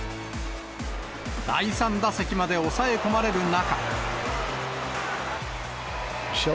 第３打席まで抑え込まれる中。